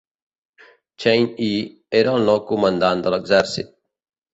Chen Yi era el nou comandant de l'exercit.